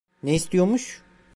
Ne istiyormuş?